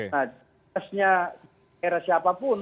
nah jenisnya era siapapun